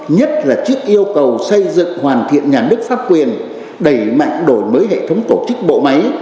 nhất là trước yêu cầu xây dựng hoàn thiện nhà nước pháp quyền đẩy mạnh đổi mới hệ thống tổ chức bộ máy